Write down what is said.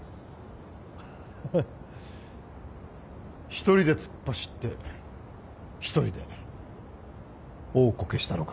一人で突っ走って一人で大コケしたのか。